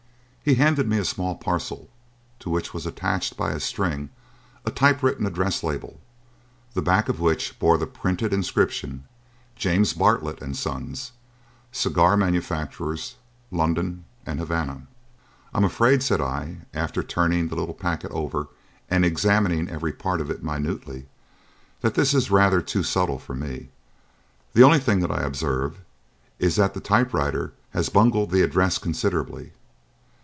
He handed me a small parcel to which was attached by string a typewritten address label, the back of which bore the printed inscription, "James Bartlett and Sons, Cigar Manufacturers, London and Havana." "I am afraid," said I, after turning the little packet over and examining every part of it minutely, "that this is rather too subtle for me. The only thing that I observe is that the typewriter has bungled the address considerably.